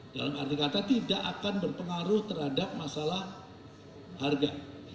dalam arti kata tidak akan berpengaruh terhadap masalah harga